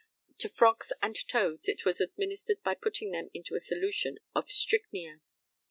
To frogs and toads it was administered by putting them into a solution of strychnia.